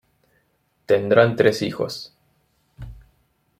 Tendrán tres hijos.